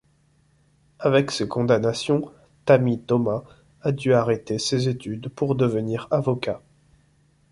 Avec ses condamnations, Tammy Thomas a du arrêter ses études pour devenir avocat.